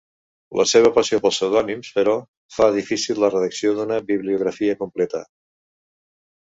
La seva passió pels pseudònims, però, fa difícil la redacció d'una bibliografia completa.